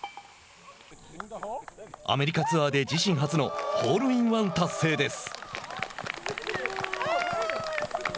アメリカツアーで自身初のホールインワン達成です。